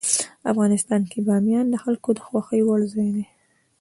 افغانستان کې بامیان د خلکو د خوښې وړ ځای دی.